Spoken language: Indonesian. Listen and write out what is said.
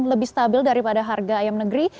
lebih stabil daripada harga ayam negeri